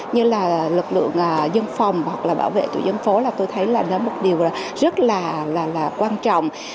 như là lực lượng dân phòng hoặc là bảo vệ tổ dân phố là tôi thấy là nó một điều rất là quan trọng